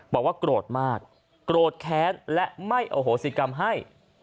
บอกว่าโกรธมากโกรธแค้นและไม่โอโหสิกรรมให้